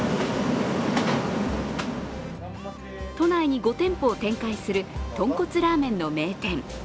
都内に５店舗を展開するとんこつラーメンの名店。